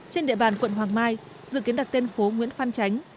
trên địa bàn quận hoàng mai dự kiến đặt tên phố nguyễn phan chánh